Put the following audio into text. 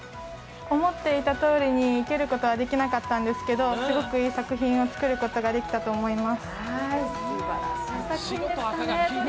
思っていたとおりに生けることはできなかったんですけどすごくいい作品を作れたと思います。